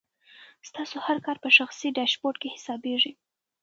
ستاسو هر کار په شخصي ډیشبورډ کې حسابېږي.